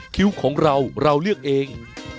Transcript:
คิ้วของเราเราเลือกเอง